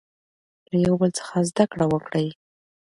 له یو بل څخه زده کړه وکړئ.